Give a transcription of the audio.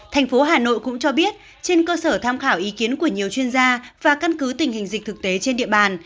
thành phố hà nội cũng cho biết trên cơ sở tham khảo ý kiến của nhiều chuyên gia và căn cứ tình hình dịch thực tế trên địa bàn